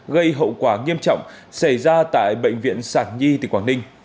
gây hậu quả nghiêm trọng xảy ra tại bệnh viện sản nhi tỉnh quảng ninh